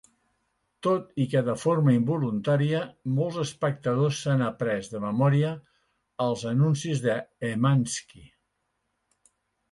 Tot i que de forma involuntària, molts espectadors s'han après de memòria els anuncis d'Emanski.